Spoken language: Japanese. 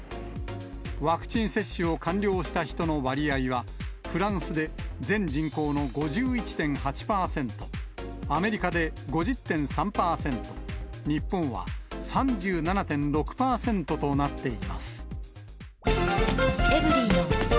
ワクチン接種を完了した人の割合は、フランスで全人口の５１．８％、アメリカで５０．３％、日本は３７．６％となっています。